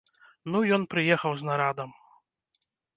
Ну ён прыехаў з нарадам.